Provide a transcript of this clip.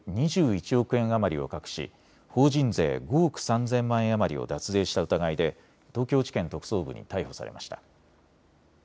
２１億円余りを隠し法人税５億３０００万円余りを脱税した疑いで東京地検特捜部に逮捕されました。